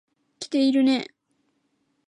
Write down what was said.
来ているね。